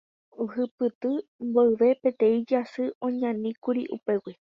Ohupyty mboyve peteĩ jasy oñaníkuri upégui.